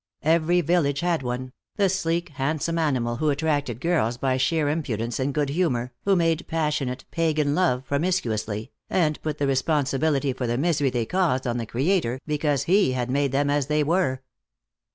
Every village had one, the sleek handsome animal who attracted girls by sheer impudence and good humor, who made passionate, pagan love promiscuously, and put the responsibility for the misery they caused on the Creator because He had made them as they were.